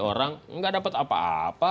orang nggak dapat apa apa